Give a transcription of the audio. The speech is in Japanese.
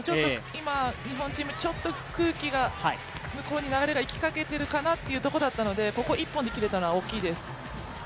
今日本チーム、ちょっと空気が、向こうに流れがいきかけているかなというところだったのでここ１本で切れたのは大きいです。